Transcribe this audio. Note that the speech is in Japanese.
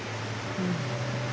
うん。